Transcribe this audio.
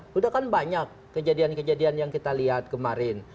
sudah kan banyak kejadian kejadian yang kita lihat kemarin